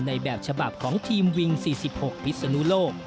แบบฉบับของทีมวิง๔๖พิศนุโลก